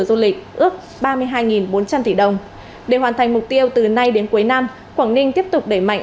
du lịch ước ba mươi hai bốn trăm linh tỷ đồng để hoàn thành mục tiêu từ nay đến cuối năm quảng ninh tiếp tục đẩy mạnh